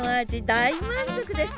大満足です。